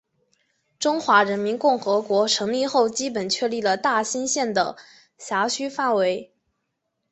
中华人民共和国成立后基本确定了大兴县的辖区范围。